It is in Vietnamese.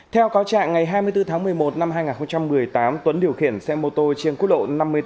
theo cáo trạng ngày hai mươi bốn tháng một mươi một năm hai nghìn một mươi tám tuấn điều khiển xe mô tô trên quốc lộ năm mươi tám